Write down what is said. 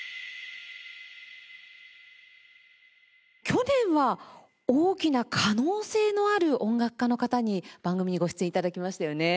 去年は大きな可能性のある音楽家の方に番組にご出演頂きましたよね。